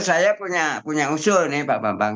saya punya usulnya pak bambang ya